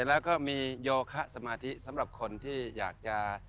แล้วก็มีโยคะสมาธิสำหรับคนที่อยากจะ